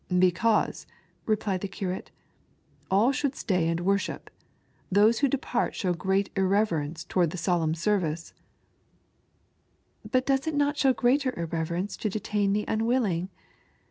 " Because," replied the Curate, " all should stay and worship. Those who depart show great irre verence towards that solemn service." " But does it not show greater irreverence to detain the unwilling